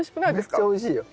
めっちゃおいしいよ。